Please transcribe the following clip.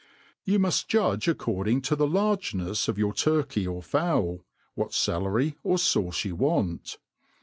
YOU muft judge according to the largenefs of your turkey or fowl, what celery or fauce you want.